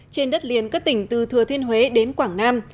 trên đất liền các tỉnh từ thừa thiên huế đến quảng nam